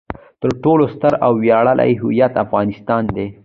تر ټولو ستر او ویاړلی هویت افغانستان دی.